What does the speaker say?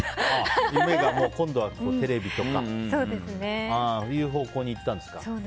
今度はテレビとかそういう方向に行ったんですか。